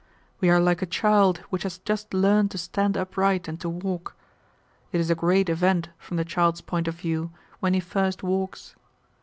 We are like a child which has just learned to stand upright and to walk. It is a great event, from the child's point of view, when he first walks.